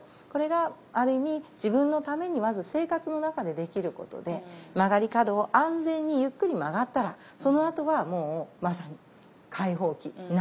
これがある意味自分のためにまず生活の中でできることで曲がり角を安全にゆっくり曲がったらそのあとはもうまさに解放期凪。